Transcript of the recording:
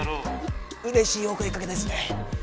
うれしいお声かけですね。